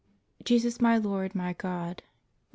Jesus, My Lord, My God (REV.